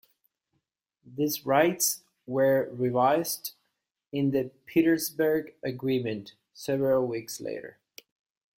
These rights were revised in the Petersberg Agreement several weeks later.